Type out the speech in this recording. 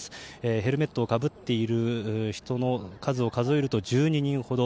ヘルメットをかぶっている人の数を数えると１２人ほど。